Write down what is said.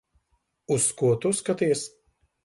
Uz ko tu skaties?